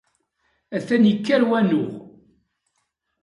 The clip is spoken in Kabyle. Atan ikker wanuɣ...